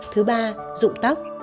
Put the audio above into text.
thứ ba dụng tóc